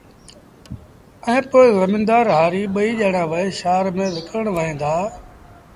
ائيٚݩ پو زميݩدآر هآريٚ ٻئيٚ ڄآڻآݩ وهي شآهر ميݩ وڪڻڻ وهيݩ دآ